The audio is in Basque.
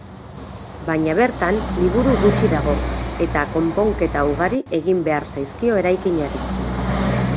Baina bertan liburu gutxi dago, eta konponketa ugari egin behar zaizkio eraikinari.